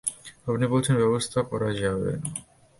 আপনি বলেছিলেন ব্যবস্থা করা যাবে না।